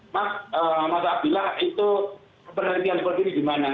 mas mas agil aksan itu penelitian seperti ini gimana